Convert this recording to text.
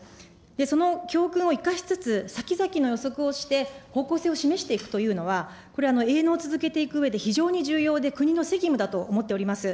その教訓を生かしつつ、先々の予測をして、方向性を示していくというのは、これ、営農を続けていくうえで、非常に重要で、国の責務だと思っております。